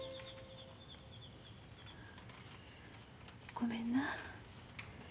ごめんな。